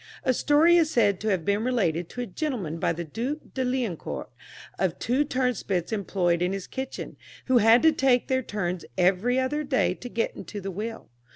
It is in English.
A story is said to have been related to a gentleman by the Duke de Liancourt, of two turnspits employed in his kitchen, who had to take their turns every other day to get into the wheel.